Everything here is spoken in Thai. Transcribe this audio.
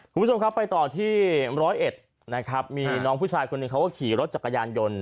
คุณผู้ชมครับไปต่อที่ร้อยเอ็ดนะครับมีน้องผู้ชายคนหนึ่งเขาก็ขี่รถจักรยานยนต์